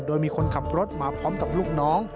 โดยมีคนขับรถมาพร้อมกับลูกน้อง